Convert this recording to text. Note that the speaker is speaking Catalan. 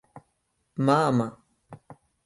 Mà a mà.